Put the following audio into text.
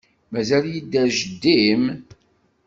Mazal yedder jeddi-m?